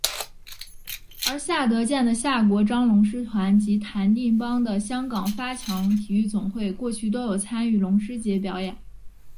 而夏德健的夏国璋龙狮团及谭定邦的香港发强体育总会过去都有参与龙狮节表演。